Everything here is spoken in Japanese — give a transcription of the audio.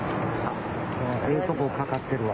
ええとこ掛かってるわ。